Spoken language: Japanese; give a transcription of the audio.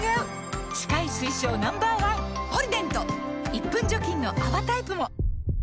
１分除菌の泡タイプも！